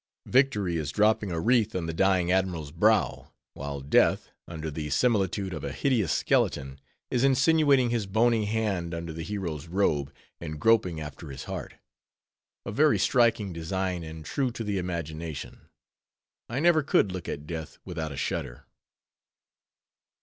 Victory is dropping a wreath on the dying admiral's brow; while Death, under the similitude of a hideous skeleton, is insinuating his bony hand under the hero's robe, and groping after his heart. A very striking design, and true to the imagination; I never could look at Death without a shudder.